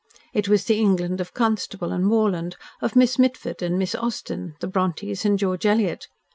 It was the England of Constable and Morland, of Miss Mitford and Miss Austen, the Brontes and George Eliot.